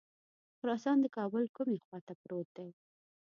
خراسان د کابل کومې خواته پروت دی.